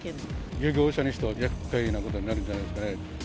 漁業者としてはやっかいなことになるんじゃないですかね。